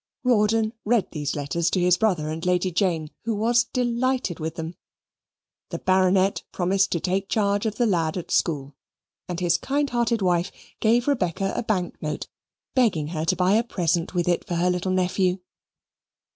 Rawdon read these letters to his brother and Lady Jane, who was delighted with them. The Baronet promised to take charge of the lad at school, and his kind hearted wife gave Rebecca a bank note, begging her to buy a present with it for her little nephew.